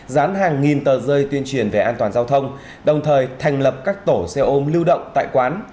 dán hàng nghìn tờ rơi tuyên truyền về an toàn giao thông đồng thời thành lập các tổ xe ôm lưu động tại quán